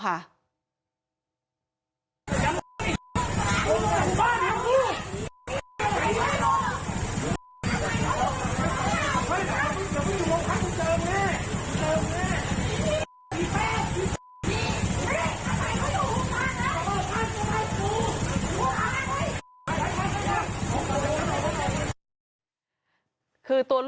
ขอบใจขอบใจขอบใจขอบใจขอบใจขอบใจสมัคร